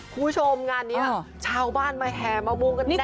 คุณผู้ชมงานนี้ชาวบ้านมาแฮมมาม่วงกันแด้งวันเลย